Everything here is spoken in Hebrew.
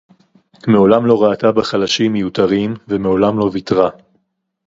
מעולם לא ראתה בחלשים מיותרים ומעולם לא ויתרה